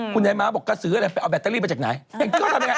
คุณนายม้าบอกกษืออะไรเอาแบตเตอรี่มาจากไหน